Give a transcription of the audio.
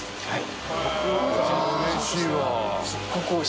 はい。